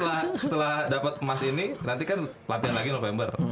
setelah dapat emas ini nanti kan latihan lagi november